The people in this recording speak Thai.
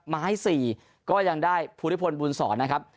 ๔ก็ยังได้ภูริพลบุญศรนะครับ